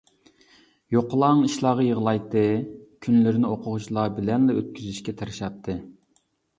يوقىلاڭ ئىشلارغا يىغلايتتى، كۈنلىرىنى ئوقۇغۇچىلار بىلەنلا ئۆتكۈزۈشكە تىرىشاتتى.